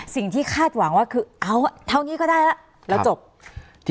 สิ่งที่คาดหวังว่าคือเอ้าเท่านี้ก็ได้แล้วแล้วจบ